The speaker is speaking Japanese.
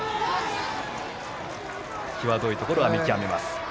際どいところは見極めます。